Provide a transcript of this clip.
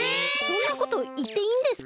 そんなこといっていいんですか？